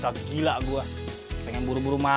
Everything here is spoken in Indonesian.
pasti saya tidak akan seperti ini